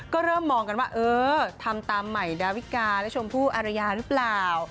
ก็เริ่มมองกันว่าเออทำตามใหม่ดาวิกาและชมพู่อารยาหรือเปล่า